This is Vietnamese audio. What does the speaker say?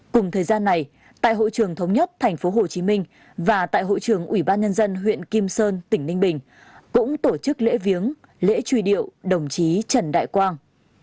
cùng thời gian này tại hội trường thống nhất tp hcm và tại hội trường ủy ban nhân dân huyện kim sơn tỉnh ninh bình cũng tổ chức lễ viếng lễ truy điệu đồng chí trần đại quang